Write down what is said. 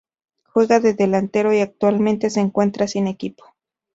Juega de delantero y actualmente se encuentra sin equipo.